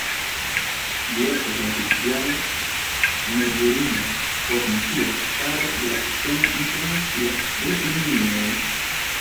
Ĝi estas la oficiala mezurunuo por tensio kadre de la Sistemo Internacia de Unuoj.